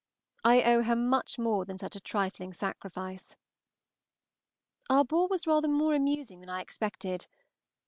I owe her much more than such a trifling sacrifice. Our ball was rather more amusing than I expected.